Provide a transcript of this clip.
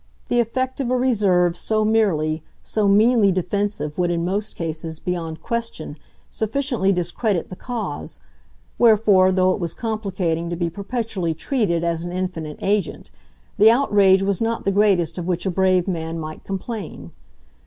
The effect of a reserve so merely, so meanly defensive would in most cases, beyond question, sufficiently discredit the cause; wherefore, though it was complicating to be perpetually treated as an infinite agent, the outrage was not the greatest of which a brave man might complain.